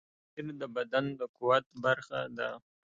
پنېر د بدن د قوت برخه ده.